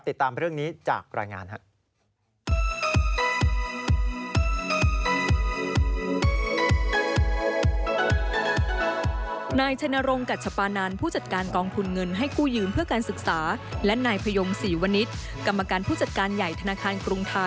ติดตามเรื่องนี้จากรายงานครับ